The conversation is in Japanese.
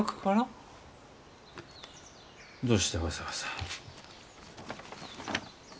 どうしてわざわざ。